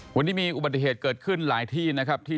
วันนี้มีอุบัติเหตุเกิดขึ้นหลายที่นะครับที่